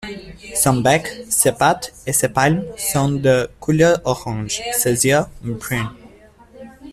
Son bec, ses pattes et ses palmes sont de couleur orange, ses yeux, bruns.